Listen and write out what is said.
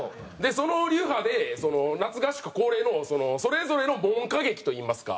その流派で夏合宿恒例のそれぞれの門家劇といいますか。